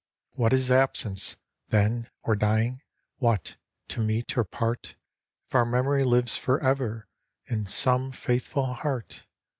What is Absence, then, or dying ? What, to meet or part. If our memory lives for ever In some faithful heart